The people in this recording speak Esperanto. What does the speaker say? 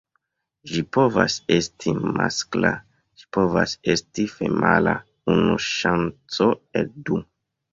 Ĝi povas esti maskla, ĝi povas esti femala: unu ŝanco el du.